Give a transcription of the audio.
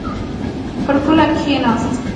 پر پوله کښېناست.